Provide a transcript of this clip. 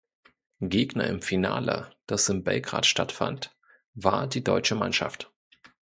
Gegner im Finale, das in Belgrad stattfand, war die deutsche Mannschaft.